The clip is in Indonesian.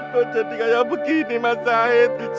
kok jadi kayak begini mas said